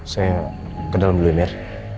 saya kenal dulu ya mir